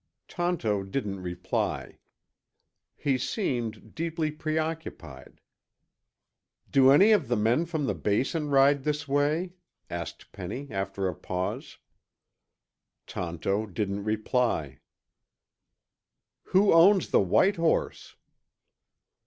Tonto didn't reply. He seemed deeply preoccupied. "Do any of the men from the Basin ride this way?" asked Penny after a pause. Tonto didn't reply. "Who owns the white horse?"